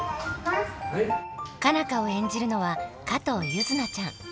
佳奈花を演じるのは加藤柚凪ちゃん。